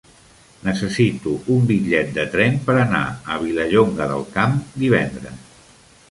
Necessito un bitllet de tren per anar a Vilallonga del Camp divendres.